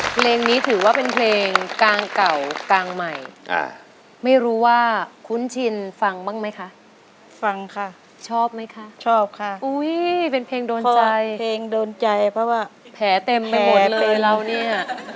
เพลงนี้ถือว่าเป็นเพลงกางเก่ากลางใหม่ไม่รู้ว่าคุ้นชินฟังบ้างไหมคะฟังค่ะชอบไหมคะชอบค่ะอุ้ยเป็นเพลงโดนใจเพลงโดนใจเพราะว่าแผลเต็มไปหมดเลยเราเนี่ย